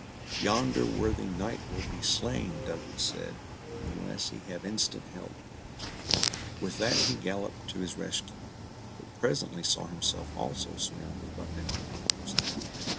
"Yonder worthy knight will be slain," Douglas said, "unless he have instant help." With that he galloped to his rescue, but presently was himself also surrounded by many Moors.